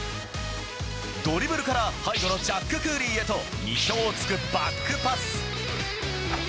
ドリブルから背後のジャック・クーリーへと意表を突くバックパス。